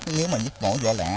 nếu giết mổ nhỏ lẻ